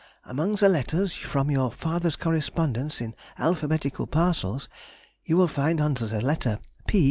Among the letters from your father's correspondents in alphabetical parcels you will find under the letter P.